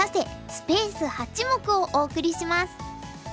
スペース８目」をお送りします。